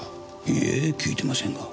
いいえ聞いてませんが。